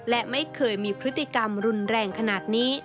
และไม่เคยมีพฤติกรรมรุนแรงขนาดนี้